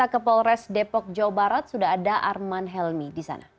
ke polres depok jawa barat sudah ada arman helmi di sana